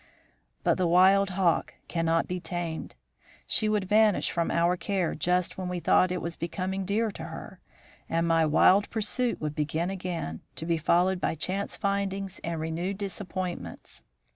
"But the wild hawk cannot be tamed. She would vanish from our care just when we thought it was becoming dear to her, and my wild pursuit would begin again, to be followed by chance findings and renewed disappointments.